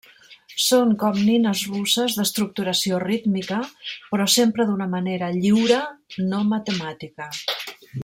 Són com nines russes d’estructuració rítmica, però sempre d’una manera lliure, no matemàtica.